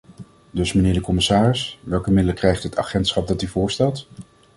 Dus, mijnheer de commissaris, welke middelen krijgt het agentschap dat u voorstelt?